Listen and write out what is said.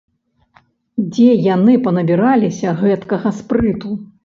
Дзе яны панабіраліся гэткага спрыту!